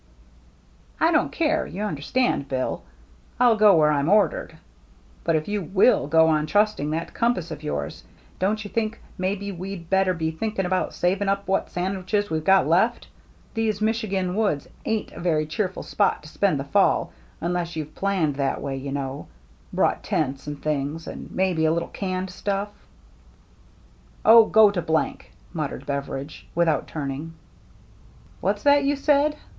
"I don't care, you understand, Bill. I'll go where I'm ordered. But if you will go on trusting that compass of yours, don't you think maybe we'd better be thinking about saving up what sandwiches we've got left? These Michigan woods ain't a very cheerful spot to spend the fall, unless you've planned that way, you know, — brought tents and things, and maybe a little canned stuff." " Oh, go to !" muttered Beveridge, without turning. "What's that you said?"